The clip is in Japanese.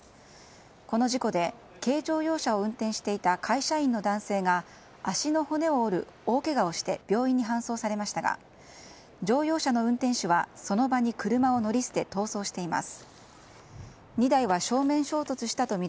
この事故で軽乗用車を運転していた会社員の男性が足の骨を折る大けがをして病院に搬送されましたが乗用車の運転手はその場に車を乗り捨て逃走しています。